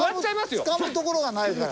つかむところがないから。